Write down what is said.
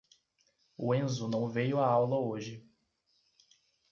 O Enzo não veio à aula hoje.